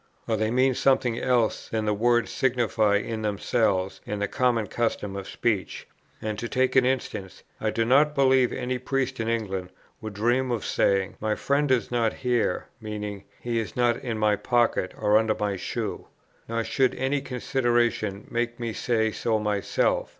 Or they mean something else than the words signify in themselves and the common custom of speech." And, to take an instance: I do not believe any priest in England would dream of saying, "My friend is not here;" meaning, "He is not in my pocket or under my shoe." Nor should any consideration make me say so myself.